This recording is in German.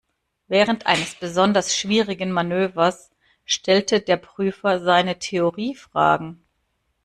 Während eines besonders schwierigen Manövers stellte der Prüfer seine Theorie-Fragen.